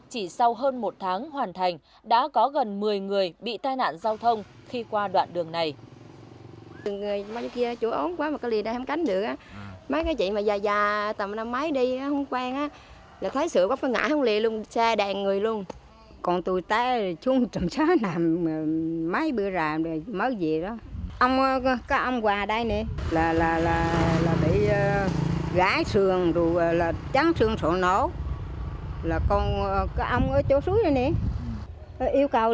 chỉ sau hơn một tháng hoàn thành đã có gần một mươi người bị tai nạn giao thông khi qua đoạn đường này